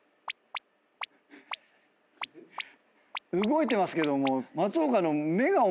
動いてますけども。